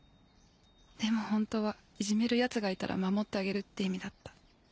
でもホントはいじめる奴がいたら守ってあげるって意味だった。